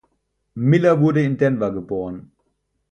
Miller wurde in Denver geboren.